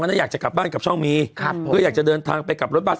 ก็อาจจะกลับบ้านกับช่องมีก็อยากจะเดินทางไปกลับรถบัส